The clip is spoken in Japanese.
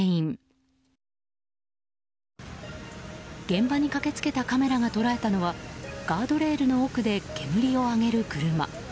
現場に駆け付けたカメラが捉えたのはガードレールの奥で煙を上げる車。